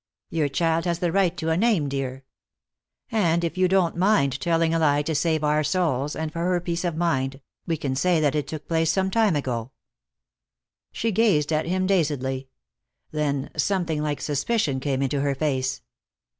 Your child has the right to a name, dear. And, if you don't mind telling a lie to save our souls, and for her peace of mind, we can say that it took place some time ago." She gazed at him dazedly. Then something like suspicion came into her face.